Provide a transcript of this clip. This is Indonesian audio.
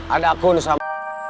ada akun sama